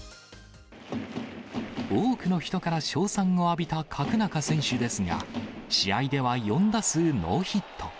多くの人から称賛を浴びた角中選手ですが、試合では４打数ノーヒット。